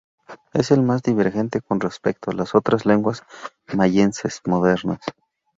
Es el más divergente con respecto a las otras lenguas mayenses modernas.